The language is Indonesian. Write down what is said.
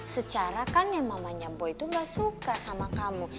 secara kan yang mamanya boy itu gak suka sama kamu